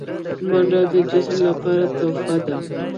منډه د جسم لپاره تحفه ده